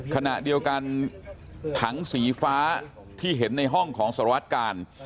ขณะเดียวกันถังสีฟ้าที่เห็นในห้องของสารวัตกาล